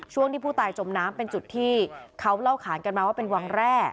ที่ผู้ตายจมน้ำเป็นจุดที่เขาเล่าขานกันมาว่าเป็นวังแร่